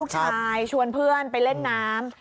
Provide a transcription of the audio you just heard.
ลูกชายชวนเพื่อนไปเล่นน้ำ